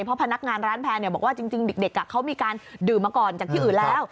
เพราะพนักงานร้านแพร่บอกว่าจริงเด็กเขามีการดื่มมาก่อนจากที่อื่นแล้ว